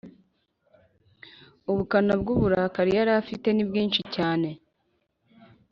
ubukana bw'uburakari yarafite ni bwinshi cyane